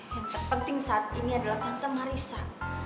yang terpenting saat ini adalah tante marissa